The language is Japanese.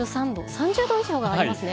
３０度以上がありますね。